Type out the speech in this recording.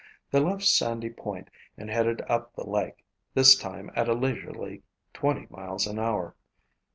They left Sandy Point and headed up the lake, this time at a leisurely twenty miles an hour.